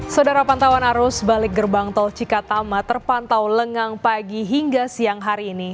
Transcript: saudara pantauan arus balik gerbang tol cikatama terpantau lengang pagi hingga siang hari ini